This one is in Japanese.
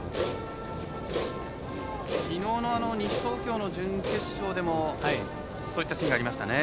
きのうの西東京の準決勝でもそういったシーンがありましたね。